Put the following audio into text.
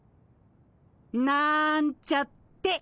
なんちゃって。